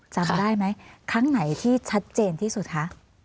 จำได้ไหมครั้งไหนที่ชัดเจนที่สุดคะ